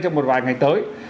trong một vài ngày tới